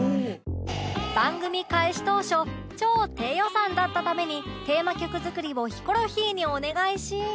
番組開始当初超低予算だったためにテーマ曲作りをヒコロヒーにお願いし